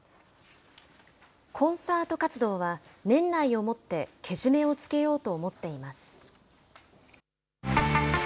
コンサート活動は年内をもってけじめをつけようと思っています。